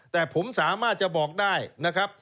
แต่ผมสามารถจะบอกได้นะครับ